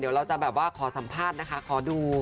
เดี๋ยวเราจะแบบว่าขอสัมภาษณ์นะคะขอดู